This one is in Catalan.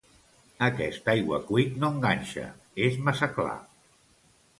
Aquest aiguacuit no enganxa, és massa clar.